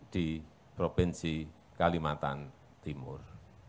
di provinsi kalimantan timur